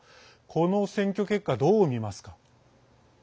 この選挙結果、どう見ますか。